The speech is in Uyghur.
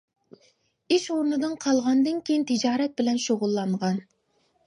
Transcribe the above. ئىش ئورنىدىن قالغاندىن كېيىن تىجارەت بىلەن شۇغۇللانغان.